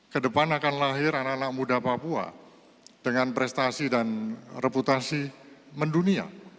ke depan akan lahir anak anak muda papua dengan prestasi dan reputasi